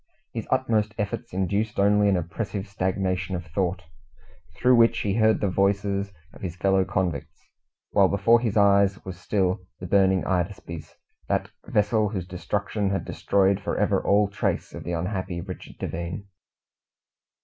His utmost efforts induced only an oppressive stagnation of thought, through which he heard the voices of his fellow convicts; while before his eyes was still the burning Hydaspes that vessel whose destruction had destroyed for ever all trace of the unhappy Richard Devine.